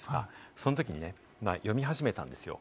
最後に読み始めたんですよ。